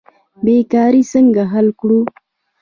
بیکاري څنګه حل کړو؟